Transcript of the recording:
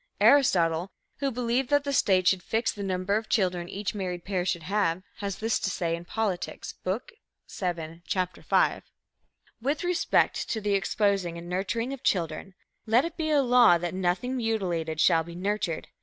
Aristotle, who believed that the state should fix the number of children each married pair should have, has this to say in Politics, Book VII, Chapter V: "With respect to the exposing and nurturing of children, let it be a law that nothing mutilated shall be nurtured.